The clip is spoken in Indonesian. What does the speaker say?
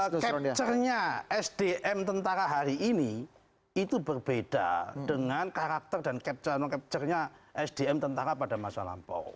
karena capture nya sdm tentara hari ini itu berbeda dengan karakter dan capture capture nya sdm tentara pada masa lampau